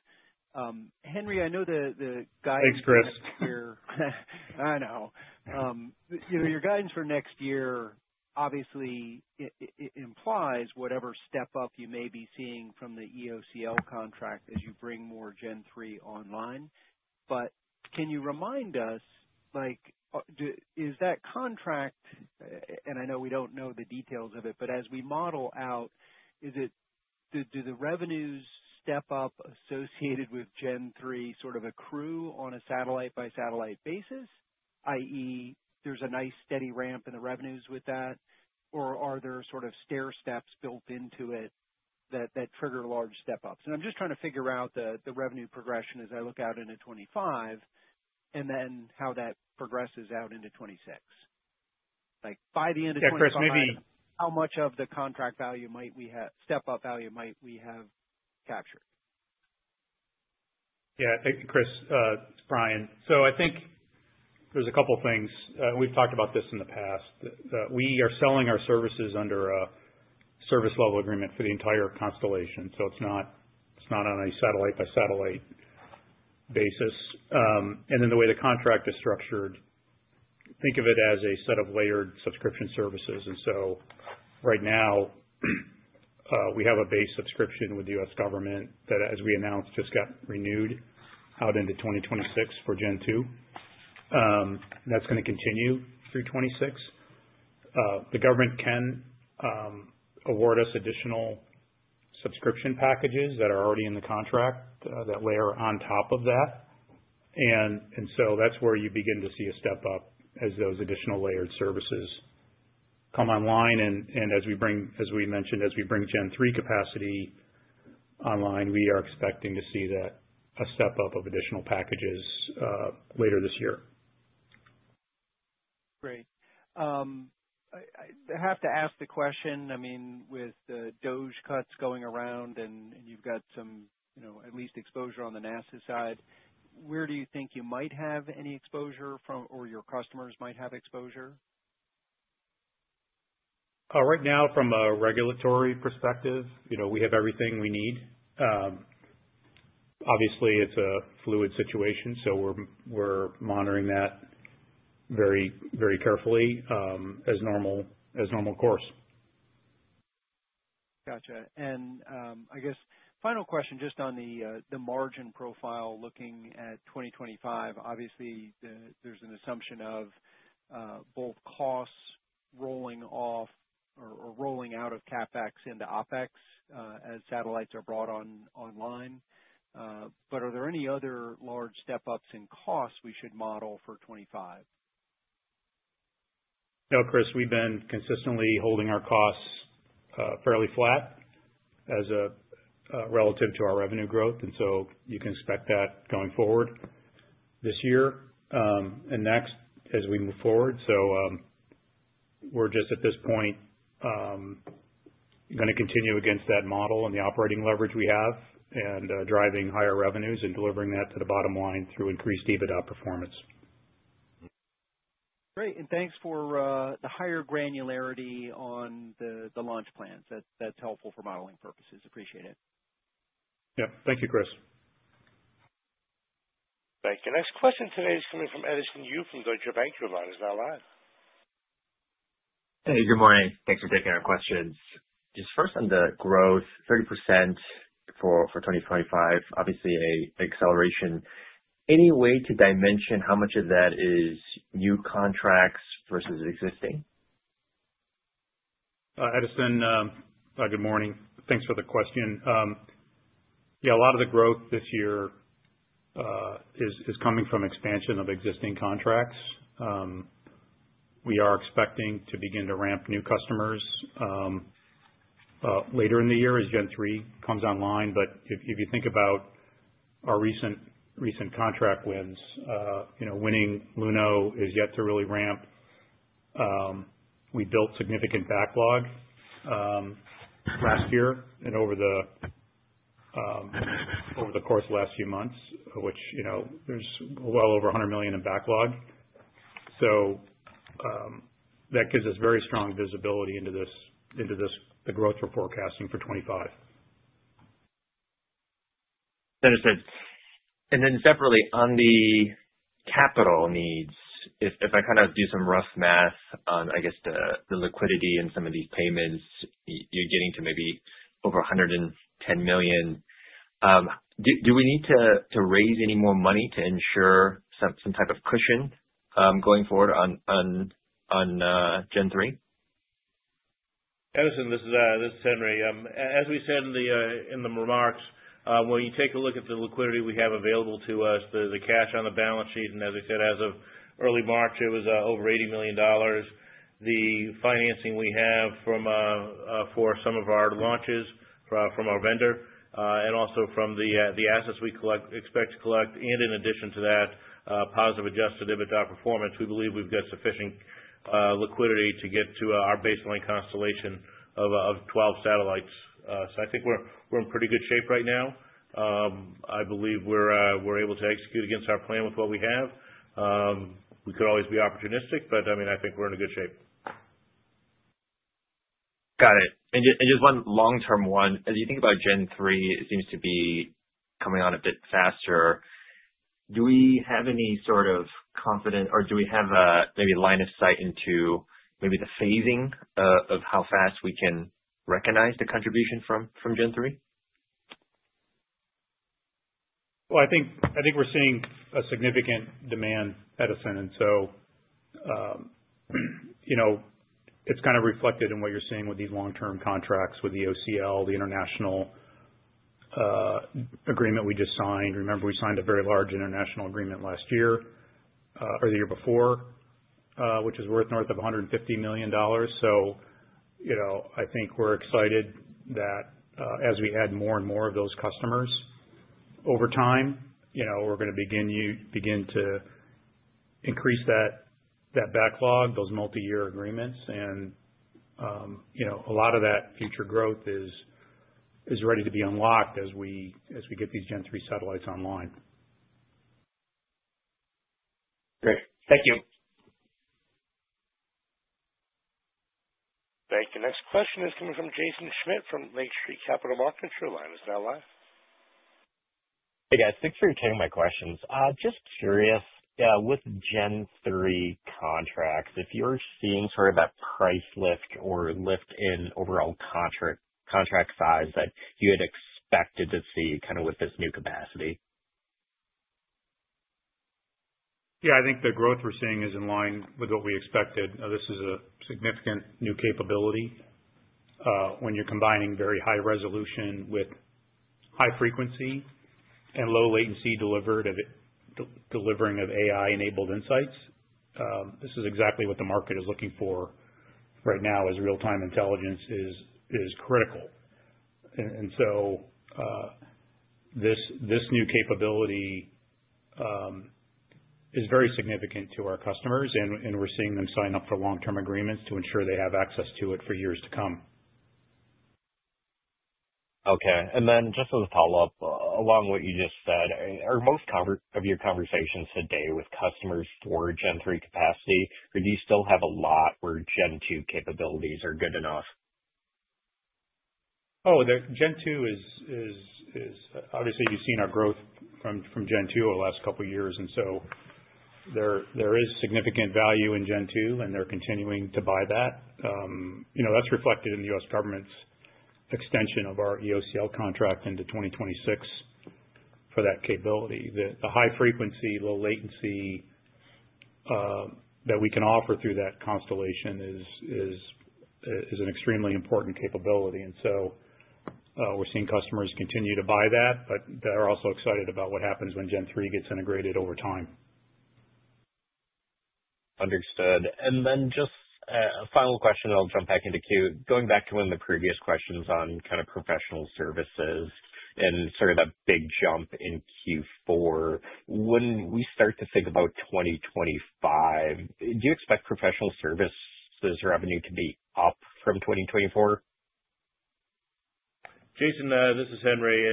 Henry, I know the guidance for next year. Thanks, Chris. I know. Your guidance for next year obviously implies whatever step-up you may be seeing from the EOCL contract as you bring more Gen 3 online. Can you remind us, is that contract—and I know we do not know the details of it—but as we model out, do the revenues step-up associated with Gen 3 sort of accrue on a satellite-by-satellite basis, i.e., there is a nice steady ramp in the revenues with that, or are there sort of stair steps built into it that trigger large step-ups? I'm just trying to figure out the revenue progression as I look out into 2025 and then how that progresses out into 2026. By the end of 2025, how much of the contract value might we have—step-up value might we have captured? Thank you, Chris, Brian. I think there's a couple of things. We've talked about this in the past. We are selling our services under a service-level agreement for the entire constellation. It's not on a satellite-by-satellite basis. The way the contract is structured, think of it as a set of layered subscription services. Right now, we have a base subscription with the U.S. government that, as we announced, just got renewed out into 2026 for Gen 2. That's going to continue through 2026. The government can award us additional subscription packages that are already in the contract that layer on top of that. That is where you begin to see a step-up as those additional layered services come online. As we mentioned, as we bring Gen-3 capacity online, we are expecting to see a step-up of additional packages later this year. Great. I have to ask the question. I mean, with the DOGE cuts going around and you have some at least exposure on the NASA side, where do you think you might have any exposure or your customers might have exposure? Right now, from a regulatory perspective, we have everything we need. Obviously, it is a fluid situation, so we are monitoring that very carefully as normal course. Gotcha. I guess final question just on the margin profile looking at 2025. Obviously, there's an assumption of both costs rolling off or rolling out of CapEx into OpEx as satellites are brought online. Are there any other large step-ups in costs we should model for 2025? No, Chris. We've been consistently holding our costs fairly flat relative to our revenue growth. You can expect that going forward this year and next as we move forward. We are just at this point going to continue against that model and the operating leverage we have, driving higher revenues and delivering that to the bottom line through increased EBITDA performance. Great. Thanks for the higher granularity on the launch plans. That's helpful for modeling purposes. Appreciate it. Yep. Thank you, Chris. Thank you. Next question today is coming from Edison Yu from Deutsche Bank. Your line is now live. Hey, good morning. Thanks for taking our questions. Just first on the growth, 30% for 2025, obviously an acceleration. Any way to dimension how much of that is new contracts versus existing? Edison, good morning. Thanks for the question. Yeah, a lot of the growth this year is coming from expansion of existing contracts. We are expecting to begin to ramp new customers later in the year as Gen 3 comes online. If you think about our recent contract wins, winning Luno is yet to really ramp. We built significant backlog last year and over the course of the last few months, which there's well over $100 million in backlog. That gives us very strong visibility into the growth we're forecasting for 2025. Understood. Separately, on the capital needs, if I kind of do some rough math on, I guess, the liquidity and some of these payments, you're getting to maybe over $110 million. Do we need to raise any more money to ensure some type of cushion going forward on Gen-3? Edison, this is Henry. As we said in the remarks, when you take a look at the liquidity we have available to us, the cash on the balance sheet, and as I said, as of early March, it was over $80 million. The financing we have for some of our launches from our vendor and also from the assets we expect to collect, and in addition to that, positive adjusted EBITDA performance, we believe we've got sufficient liquidity to get to our baseline constellation of 12 satellites. I think we're in pretty good shape right now. I believe we're able to execute against our plan with what we have. We could always be opportunistic, but I mean, I think we're in a good shape. Got it. Just one long-term one. As you think about Gen-3, it seems to be coming on a bit faster. Do we have any sort of confidence, or do we have maybe a line of sight into maybe the phasing of how fast we can recognize the contribution from Gen-3? I think we're seeing a significant demand, Edison. It is kind of reflected in what you're seeing with these long-term contracts with EOCL, the international agreement we just signed. Remember, we signed a very large international agreement last year or the year before, which is worth north of $150 million. I think we're excited that as we add more and more of those customers over time, we're going to begin to increase that backlog, those multi-year agreements. A lot of that future growth is ready to be unlocked as we get these Gen-3 satellites online. Great. Thank you. Thank you. Next question is coming from Jaeson Schmidt from Lake Street Capital Markets. Your line is now live. Hey, guys. Thanks for taking my questions. Just curious, with Gen-3 contracts, if you're seeing sort of that price lift or lift in overall contract size that you had expected to see with this new capacity? Yeah. I think the growth we're seeing is in line with what we expected. This is a significant new capability when you're combining very high resolution with high frequency and low latency delivering of AI-enabled insights. This is exactly what the market is looking for right now as real-time intelligence is critical. This new capability is very significant to our customers, and we're seeing them sign up for long-term agreements to ensure they have access to it for years to come. Okay. Just as a follow-up, along what you just said, are most of your conversations today with customers for Gen-3 capacity, or do you still have a lot where Gen-2 capabilities are good enough? Gen-2 is obviously you've seen our growth from Gen-2 over the last couple of years. There is significant value in Gen-2, and they're continuing to buy that. That's reflected in the U.S. government's extension of our EOCL contract into 2026 for that capability. The high frequency, low latency that we can offer through that constellation is an extremely important capability. We're seeing customers continue to buy that, but they're also excited about what happens when Gen 3 gets integrated over time. Understood. Just a final question, and I'll jump back into Q. Going back to one of the previous questions on kind of professional services and sort of that big jump in Q4, when we start to think about 2025, do you expect professional services revenue to be up from 2024? Jaeson, this is Henry.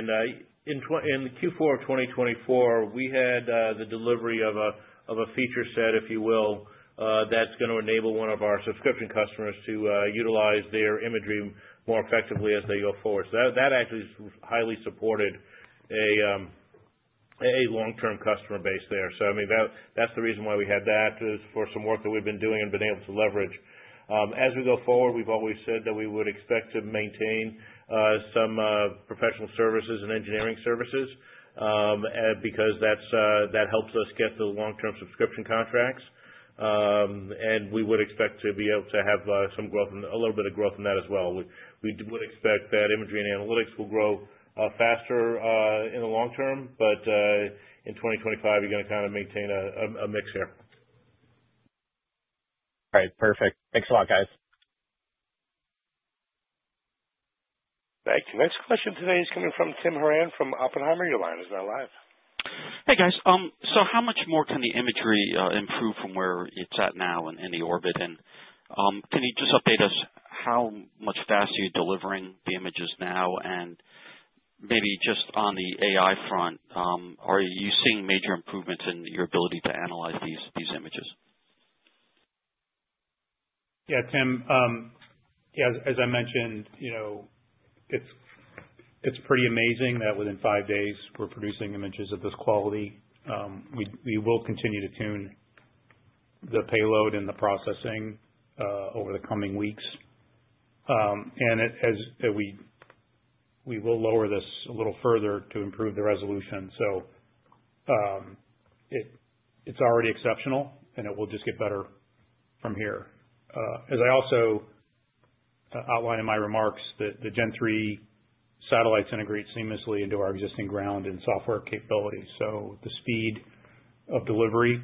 In Q4 of 2024, we had the delivery of a feature set, if you will, that's going to enable one of our subscription customers to utilize their imagery more effectively as they go forward. That actually has highly supported a long-term customer base there. I mean, that's the reason why we had that is for some work that we've been doing and been able to leverage. As we go forward, we've always said that we would expect to maintain some professional services and engineering services because that helps us get the long-term subscription contracts. We would expect to be able to have some growth and a little bit of growth in that as well. We would expect that imagery and analytics will grow faster in the long term, but in 2025, you're going to kind of maintain a mix here. All right. Perfect. Thanks a lot, guys. Thank you. Next question today is coming from Timothy Horan from Oppenheimer. Your line is now live. Hey, guys. How much more can the imagery improve from where it's at now in the orbit? Can you just update us how much faster you're delivering the images now? Maybe just on the AI front, are you seeing major improvements in your ability to analyze these images? Yeah, Tim. Yeah, as I mentioned, it's pretty amazing that within five days, we're producing images of this quality. We will continue to tune the payload and the processing over the coming weeks. We will lower this a little further to improve the resolution. It's already exceptional, and it will just get better from here. As I also outlined in my remarks, the Gen-3 satellites integrate seamlessly into our existing ground and software capabilities. The speed of delivery,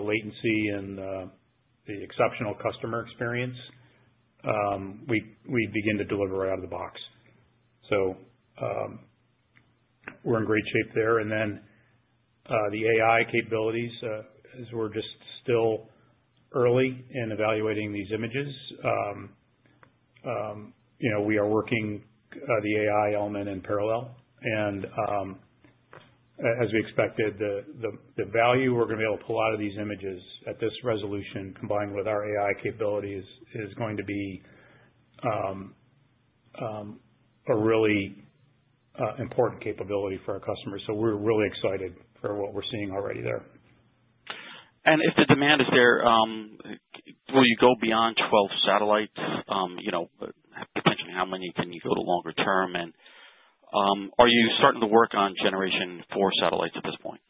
latency, and the exceptional customer experience, we begin to deliver right out of the box. We're in great shape there. The AI capabilities, as we're just still early in evaluating these images, we are working the AI element in parallel. As we expected, the value we're going to be able to pull out of these images at this resolution, combined with our AI capabilities, is going to be a really important capability for our customers. We are really excited for what we're seeing already there. If the demand is there, will you go beyond 12 satellites? Potentially, how many can you go to longer term? Are you starting to work on Generation 4 satellites at this point?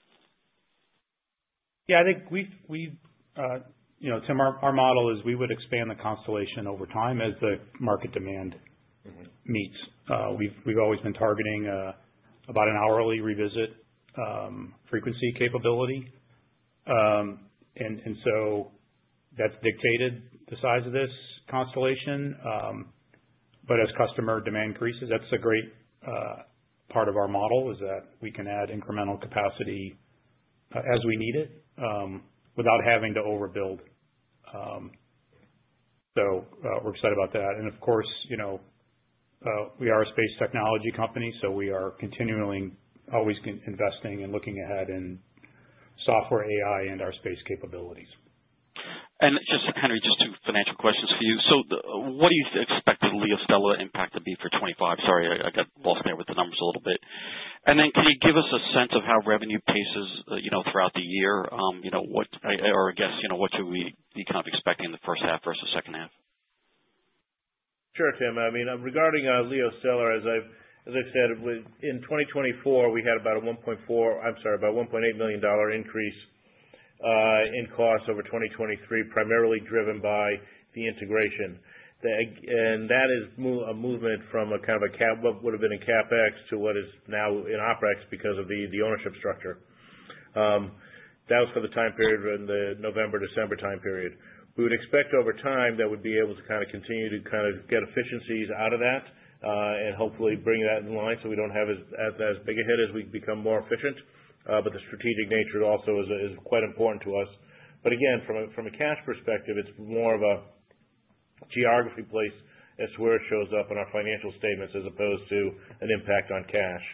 I think we've—Tim, our model is we would expand the constellation over time as the market demand meets. We've always been targeting about an hourly revisit frequency capability. That has dictated the size of this constellation. As customer demand increases, a great part of our model is that we can add incremental capacity as we need it without having to overbuild. We are excited about that. Of course, we are a space technology company, so we are continually always investing and looking ahead in software, AI, and our space capabilities. Henry, just two financial questions for you. What do you expect the LeoStella impact to be for 2025? Sorry, I got lost there with the numbers a little bit. Can you give us a sense of how revenue paces throughout the year? I guess, what should we be kind of expecting the first half versus second half? Sure, Tim. I mean, regarding LeoStella, as I've said, in 2024, we had about a $1.4 million—I'm sorry, about a $1.8 million increase in cost over 2023, primarily driven by the integration. That is a movement from what would have been a CapEx to what is now an OpEx because of the ownership structure. That was for the time period in the November-December time period. We would expect over time that we'd be able to kind of continue to kind of get efficiencies out of that and hopefully bring that in line so we don't have as big a hit as we become more efficient. The strategic nature also is quite important to us. Again, from a cash perspective, it's more of a geography place. It's where it shows up in our financial statements as opposed to an impact on cash.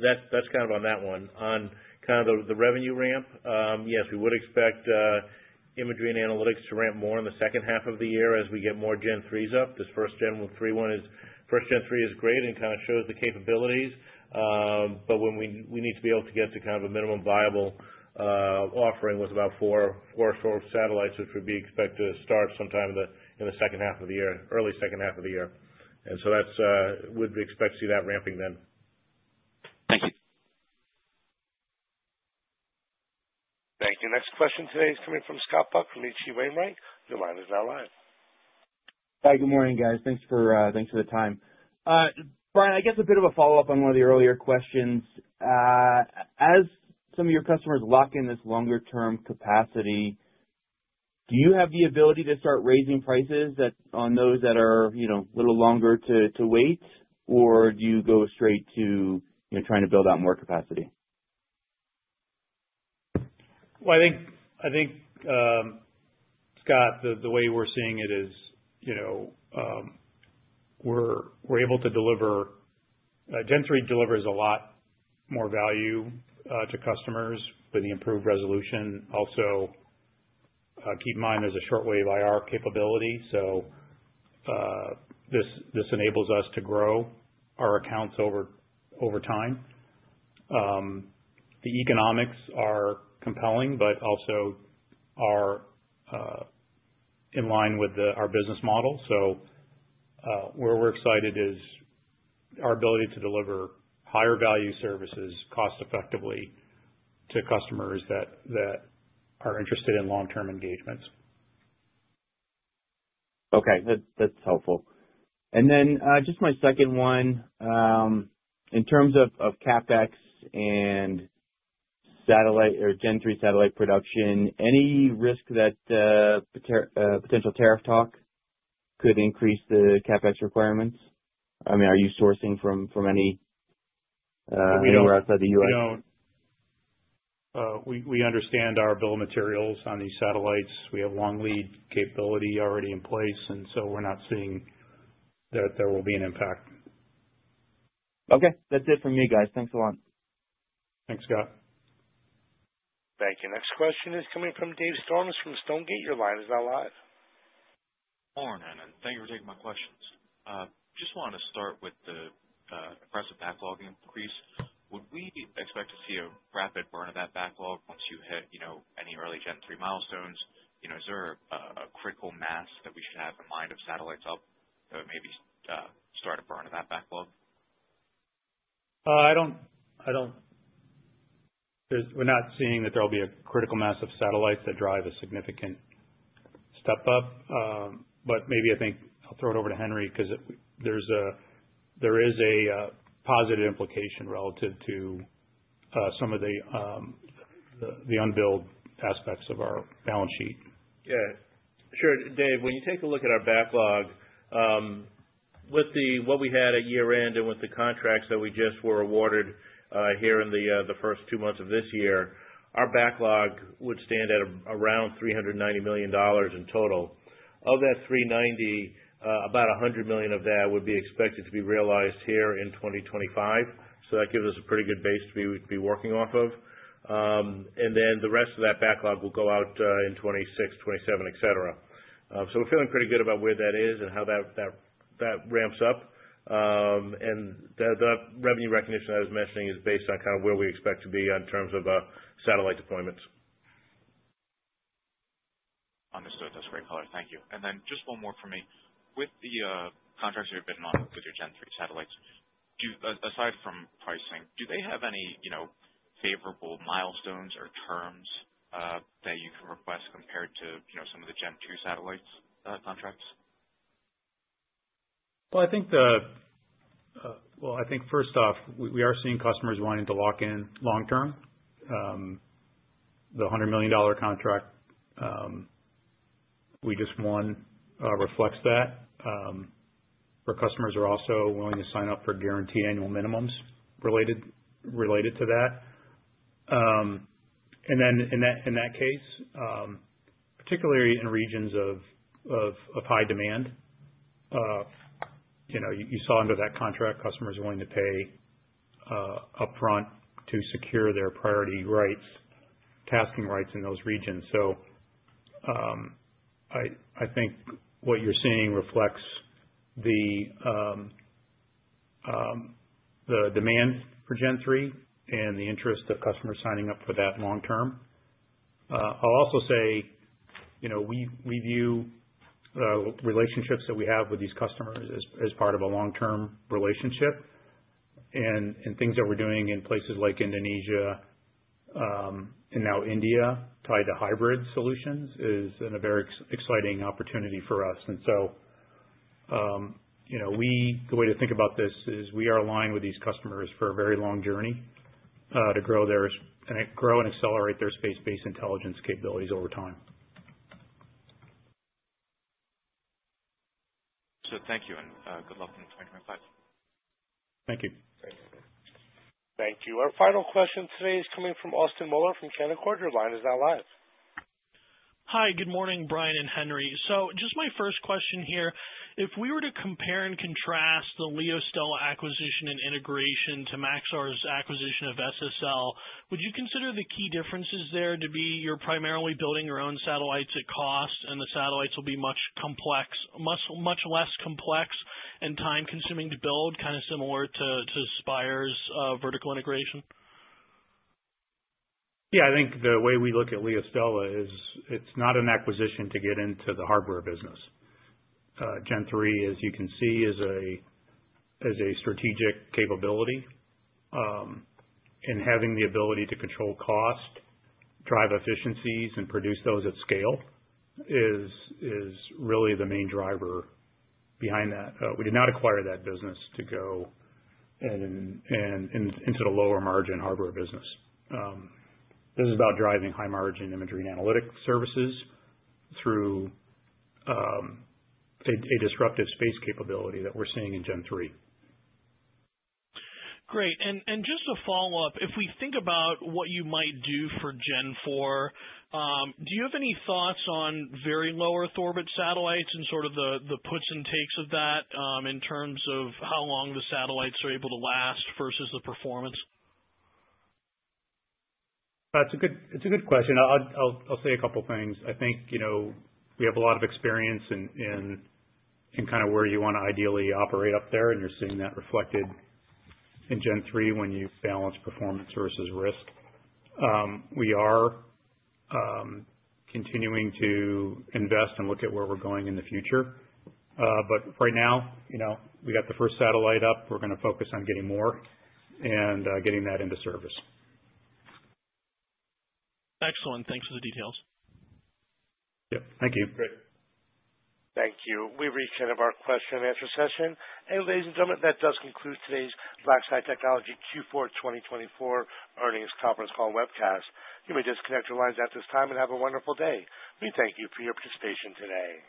That's kind of on that one. On kind of the revenue ramp, yes, we would expect imagery and analytics to ramp more in the second half of the year as we get more Gen-3s up. This first Gen-3 is great and kind of shows the capabilities. We need to be able to get to kind of a minimum viable offering with about four or so satellites, which we'd be expected to start sometime in the second half of the year, early second half of the year. We'd be expecting to see that ramping then. Thank you. Thank you. Next question today is coming from Scott Buck from H.C. Wainwright. Your line is now live. Hi, good morning, guys. Thanks for the time. Brian, I guess a bit of a follow-up on one of the earlier questions. As some of your customers lock in this longer-term capacity, do you have the ability to start raising prices on those that are a little longer to wait, or do you go straight to trying to build out more capacity? I think, Scott, the way we're seeing it is we're able to deliver—Gen 3 delivers a lot more value to customers with the improved resolution. Also, keep in mind there's a shortwave IR capability. This enables us to grow our accounts over time. The economics are compelling, but also are in line with our business model. Where we're excited is our ability to deliver higher value services cost-effectively to customers that are interested in long-term engagements. Okay. That's helpful. Just my second one, in terms of CapEx and Gen 3 satellite production, any risk that potential tariff talk could increase the CapEx requirements? I mean, are you sourcing from anywhere outside the U.S.? We don't. We understand our bill of materials on these satellites. We have long lead capability already in place, and we're not seeing that there will be an impact. Okay. That's it for me, guys. Thanks a lot. Thanks, Scott. Thank you. Next question is coming from Dave Storms from Stonegate. Your line is now live. Morning, and thank you for taking my questions. Just wanted to start with the impressive backlog increase. Would we expect to see a rapid burn of that backlog once you hit any early Gen-3 milestones? Is there a critical mass that we should have in mind of satellites up that would maybe start a burn of that backlog? I don't—we're not seeing that there will be a critical mass of satellites that drive a significant step up. Maybe I think I'll throw it over to Henry because there is a positive implication relative to some of the unbilled aspects of our balance sheet. Yeah. Sure. Dave, when you take a look at our backlog, with what we had at year-end and with the contracts that we just were awarded here in the first two months of this year, our backlog would stand at around $390 million in total. Of that $390 million, about $100 million of that would be expected to be realized here in 2025. That gives us a pretty good base to be working off of. The rest of that backlog will go out in 2026, 2027, etc. We are feeling pretty good about where that is and how that ramps up. The revenue recognition I was mentioning is based on kind of where we expect to be in terms of satellite deployments. Understood. That's great, color. Thank you. Just one more for me. With the contracts you've been on with your Gen-3 satellites, aside from pricing, do they have any favorable milestones or terms that you can request compared to some of the Gen-2 satellites contracts? I think first off, we are seeing customers wanting to lock in long-term. The $100 million contract we just won reflects that. Our customers are also willing to sign up for guaranteed annual minimums related to that. In that case, particularly in regions of high demand, you saw under that contract customers willing to pay upfront to secure their priority rights, tasking rights in those regions. I think what you're seeing reflects the demand for Gen-3 and the interest of customers signing up for that long-term. I'll also say we view the relationships that we have with these customers as part of a long-term relationship. Things that we're doing in places like Indonesia and now India tied to hybrid solutions is a very exciting opportunity for us. The way to think about this is we are aligned with these customers for a very long journey to grow and accelerate their space-based intelligence capabilities over time. Thank you, and good luck in 2025. Thank you. Thank you. Our final question today is coming from Austin Moeller from Canaccord. Your line is now live. Hi, good morning, Brian and Henry. Just my first question here. If we were to compare and contrast the LeoStella acquisition and integration to Maxar's acquisition of SSL, would you consider the key differences there to be you're primarily building your own satellites at cost and the satellites will be much less complex and time-consuming to build, kind of similar to Spire's vertical integration? Yeah, I think the way we look at LeoStella is it's not an acquisition to get into the hardware business. Gen-3, as you can see, is a strategic capability. Having the ability to control cost, drive efficiencies, and produce those at scale is really the main driver behind that. We did not acquire that business to go into the lower-margin hardware business. This is about driving high-margin imagery and analytic services through a disruptive space capability that we're seeing in Gen-3. Great. Just to follow up, if we think about what you might do for Gen-4, do you have any thoughts on very low-Earth orbit satellites and sort of the puts and takes of that in terms of how long the satellites are able to last versus the performance? That's a good question. I'll say a couple of things. I think we have a lot of experience in kind of where you want to ideally operate up there, and you're seeing that reflected in Gen-3 when you balance performance versus risk. We are continuing to invest and look at where we're going in the future. Right now, we got the first satellite up. We're going to focus on getting more and getting that into service. Excellent. Thanks for the details. Yep. Thank you. Great. Thank you. We have reached the end of our question-and-answer session. Ladies and gentlemen, that does conclude today's BlackSky Technology Q4 2024 earnings conference call webcast. You may disconnect your lines at this time and have a wonderful day. We thank you for your participation today.